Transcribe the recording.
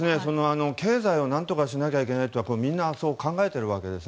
経済を何とかしなきゃいけないとみんな考えているわけです。